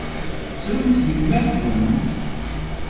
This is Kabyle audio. Tettremt yemma-twent?